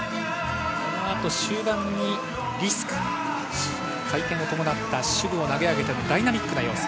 このあと終盤に回転を伴った手具を投げ上げてのダイナミックな要素。